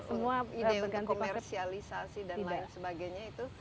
semua ide untuk komersialisasi dan lain sebagainya itu